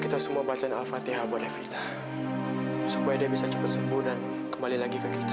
sampai jumpa di video selanjutnya